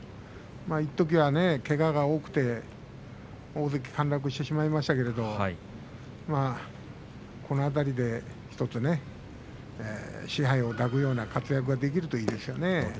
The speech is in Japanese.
いっときは、けがが多くて大関陥落してしまいましたけれどこの辺りでちょっとね賜盃を抱くような活躍ができるといいですね。